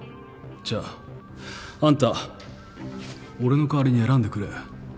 じゃああんた俺の代わりに選んでくれ。